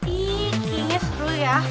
ih kayaknya seru ya